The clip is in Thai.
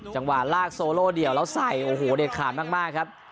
จังหวะลากโซโลเดี่ยวแล้วใส่โอ้โหเด็ดขาดมากครับ